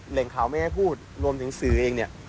แหล่งข่าวไม่ให้พูดรวมถึงสื่อเองเนี่ย